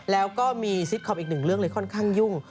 แล้วก็มีซิตคอปอีกหนึ่งเรื่องเลยค่อนข้างยุ่ง